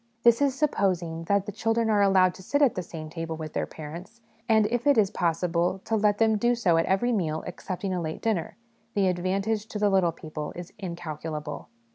This is supposing that the children are allowed to sit at the same table with their parents ; and, if it is possible to let them do so at every meal excepting a late dinner, the advantage to the little people is incalculable.